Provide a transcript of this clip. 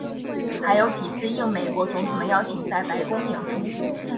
还有几次应美国总统的邀请在白宫演出。